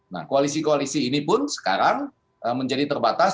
nah koalisi koalisi ini pun sekarang menjadi terbatas